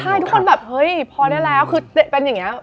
ใช่ทุกคนแบบเฮ้ยพอได้แล้วคือเป็นอย่างนี้